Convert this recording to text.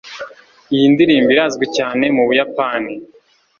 Iyi ndirimbo irazwi cyane mu Buyapani.